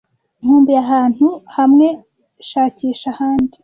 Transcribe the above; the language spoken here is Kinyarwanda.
Nkumbuye ahantu hamwe shakisha ahandi,